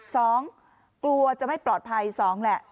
สองกลัวจะไม่ปลอดภัยสองแหละ